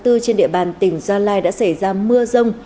trên địa bàn tỉnh gia lai đã xảy ra mưa rông